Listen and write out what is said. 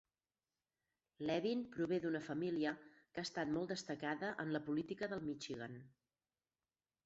Levin prové d'una família que ha estat molt destacada en la política del Michigan.